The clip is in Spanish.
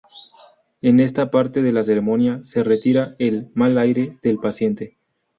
En esta parte de la ceremonia se retira el "mal aire" del paciente.